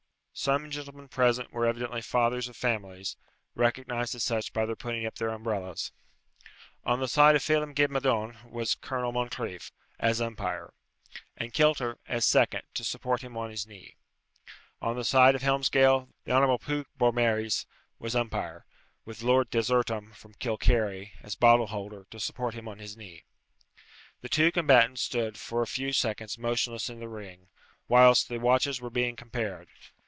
Some gentlemen present were evidently fathers of families, recognized as such by their putting up their umbrellas. On the side of Phelem ghe Madone was Colonel Moncreif, as umpire; and Kilter, as second, to support him on his knee. On the side of Helmsgail, the Honourable Pughe Beaumaris was umpire, with Lord Desertum, from Kilcarry, as bottle holder, to support him on his knee. The two combatants stood for a few seconds motionless in the ring, whilst the watches were being compared.